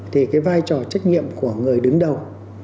thì cái vai trò trách nhiệm của người đứng đầu